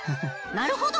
なるほど！